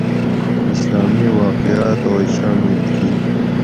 اسلامی واقعات اوئے شامل کِیت